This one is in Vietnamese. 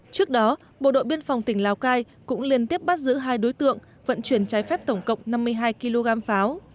trước đó bộ đội biên phòng tỉnh lào cai cũng liên tiếp bắt giữ hai đối tượng vận chuyển trái phép tổng cộng năm mươi hai kg pháo